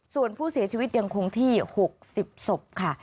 ส่วนผู้เสียชีวิตยังคงที่๖๐ศพค่ะ